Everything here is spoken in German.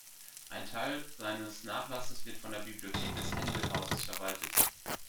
Ein Teil seines Nachlasses wird von der Bibliothek des Händel-Hauses verwaltet.